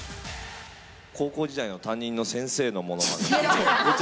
高校時代の担任の先生のものまね。